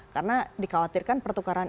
karena dikhawatirkan pertukaran